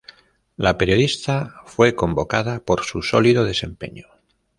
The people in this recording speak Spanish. La periodista fue convocada por su sólido desempeño.